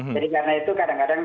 jadi karena itu kadang kadang